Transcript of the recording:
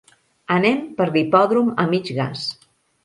Anem per l'hipòdrom a mig gas.